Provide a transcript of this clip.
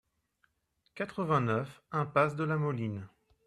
quatre-vingt-neuf impasse de la Moline